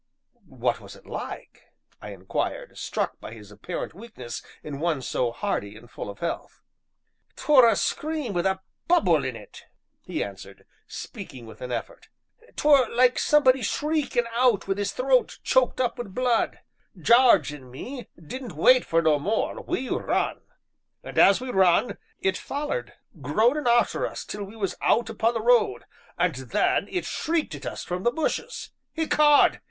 "What was it like?" I inquired, struck by this apparent weakness in one so hardy and full of health. "'Twere a scream wi' a bubble in it," he answered, speaking with an effort, "'twere like somebody shriekin' out wi' 'is throat choked up wi' blood. Jarge and me didn't wait for no more; we run. And as we run, it follered, groanin' arter us till we was out upon the road, and then it shrieked at us from the bushes. Ecod!